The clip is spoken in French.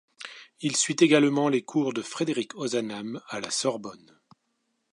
Il suit également les cours de Frédéric Ozanam à la Sorbonne.